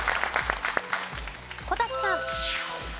小瀧さん。